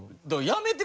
やめ！